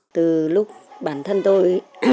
từ lúc bản thân tôi